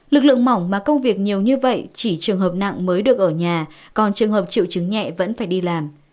lực lượng mỏng mà công việc nhiều như vậy chỉ trường hợp nặng mới được ở nhà còn trường hợp triệu chứng nhẹ vẫn phải đi làm